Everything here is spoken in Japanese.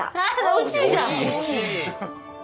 あ惜しいじゃん。